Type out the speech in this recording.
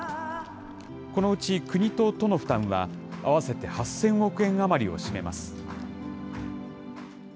このうち、国と都の負担は合わせて８０００億円余りを占めます。